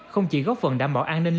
không chỉ góp phần đảm bảo an ninh